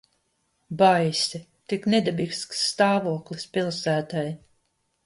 Baisi. Tik nedabisks stāvoklis pilsētai.